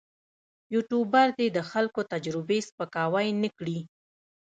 یوټوبر دې د خلکو تجربې سپکاوی نه کړي.